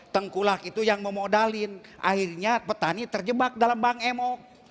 tengkulak itu yang memodalin akhirnya petani terjebak dalam bank emo